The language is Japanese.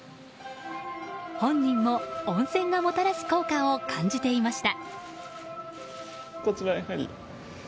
本人も、温泉がもたらす効果を感じていました。